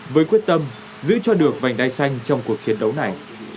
với quyết tâm giữ cho được vành đai xanh trong cuộc chiến đấu này